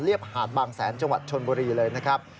หาดบางแสนจังหวัดชนบุรีเลยนะครับ